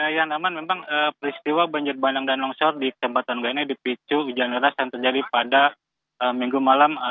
yan rahman memang peristiwa banjir banjang dan longsor di tempatan gane di picu gijang neras yang terjadi pada minggu malam